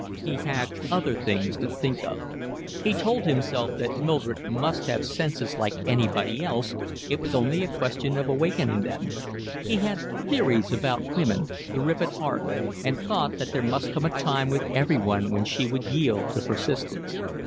He had other things to think of. He told himself that Mildred must have senses like anybody else, it was only a question of awakening them; he had theories about woman, the rip at heart, and thought that there must come a time with everyone when she would yield to persistence.